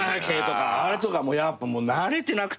あれとかもやっぱ慣れてなくて。